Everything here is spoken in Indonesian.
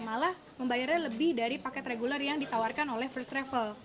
malah membayarnya lebih dari paket reguler yang ditawarkan oleh first travel